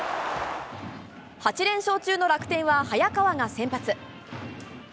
８連勝中の楽天は、早川が先発。